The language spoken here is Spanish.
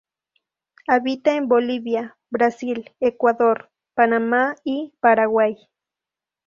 Habita en Bolivia, Brasil, Ecuador, Panamá y Paraguay.